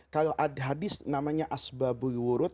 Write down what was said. kalau ada hadis namanya asbabul wurud